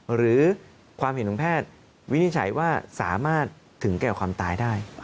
หรือความเห็นของแพทย์วินิจฉัยว่าสามารถถึงแก่ความตายได้